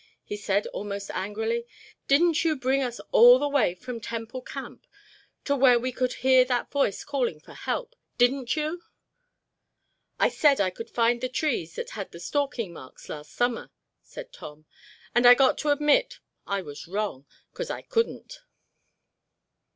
he said, almost angrily. "Didn't you bring us here? Didn't you bring us all the way from Temple Camp to where we could hear that voice calling for help? Didn't you?" "I said I could find the trees that had the stalking marks last summer," said Tom, "and I got to admit I was wrong, 'cause I couldn't."